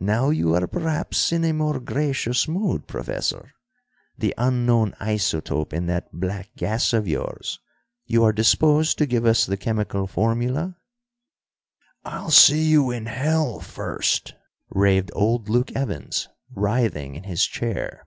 "Now you are perhaps in a more gracious mood, Professor? The unknown isotope in that black gas of yours you are disposed to give us the chemical formula?" "I'll see you in hell first," raved old Luke Evans, writhing in his chair.